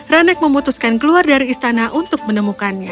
ranek memutuskan keluar dari istana untuk menemukannya